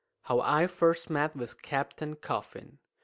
HOW I FIRST MET WITH CAPTAIN COFFIN.